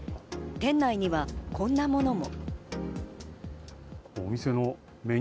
店内にはこんなものも。